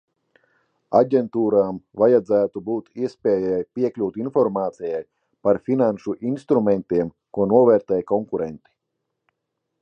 Aģentūrām vajadzētu būt iespējai piekļūt informācijai par finanšu instrumentiem, ko novērtē konkurenti.